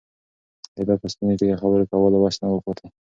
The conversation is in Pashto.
د ده په ستوني کې د خبرو کولو وس نه و پاتې.